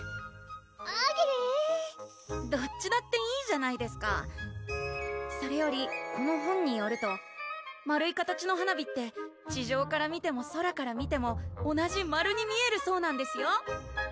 アゲーどっちだっていいじゃないですかそれよりこの本によると丸い形の花火って地上から見ても空から見ても同じ丸に見えるそうなんですよ